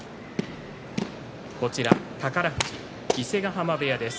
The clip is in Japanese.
宝富士、伊勢ヶ濱部屋です。